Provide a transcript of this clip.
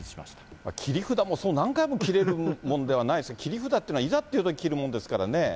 やっぱり切り札も何回も切れるもんではないですね、切り札っていうのはいざっていうとき切るものですからね。